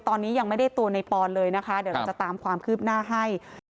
ตอนนี้ยังไม่ได้ตัวในปอนเลยนะคะเดี๋ยวเราจะตามความคืบหน้าให้